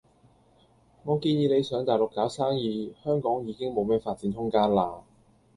我建議你上大陸搞生意，香港已經冇咩發展空間喇。